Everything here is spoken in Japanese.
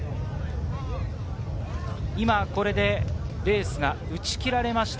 これでレースが打ち切られました。